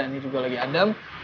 ini juga lagi adam